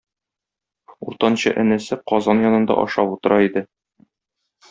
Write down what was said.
Уртанчы энесе казан янында ашап утыра иде.